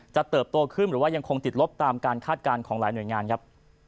เติบโตขึ้นหรือว่ายังคงติดลบตามการคาดการณ์ของหลายหน่วยงานครับ